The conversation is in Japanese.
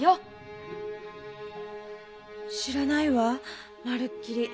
知らないわまるっきり。